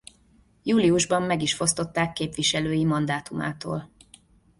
Júliusban meg is fosztották képviselői mandátumától.